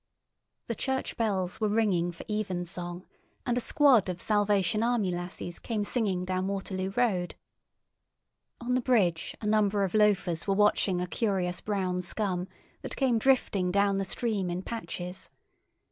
The church bells were ringing for evensong, and a squad of Salvation Army lassies came singing down Waterloo Road. On the bridge a number of loafers were watching a curious brown scum that came drifting down the stream in patches.